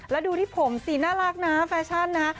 แล้วดูที่ผมสิน่ารักนะแฟชั่นนะฮะ